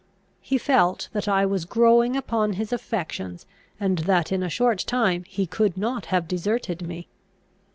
He felt, that I was growing upon his affections, and that in a short time he could not have deserted me.